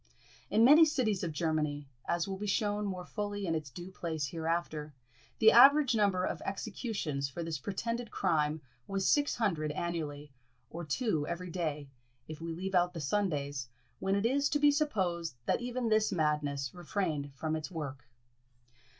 In many cities of Germany, as will be shewn more fully in its due place hereafter, the average number of executions for this pretended crime was six hundred annually, or two every day, if we leave out the Sundays, when it is to be supposed that even this madness refrained from its work.